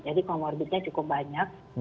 jadi comorbidnya cukup banyak